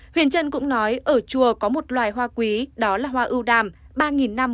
huyền trân cũng nói ở chùa có một loài hoa quý đó là hoa ưu đàm ba năm mới nở một lần